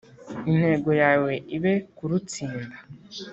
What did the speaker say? Intego yawe ibe kurutsinda.